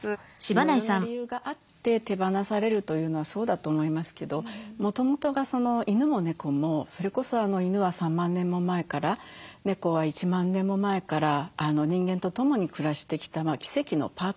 いろいろな理由があって手放されるというのはそうだと思いますけどもともとが犬も猫もそれこそ犬は３万年も前から猫は１万年も前から人間とともに暮らしてきた奇跡のパートナーなんですよね。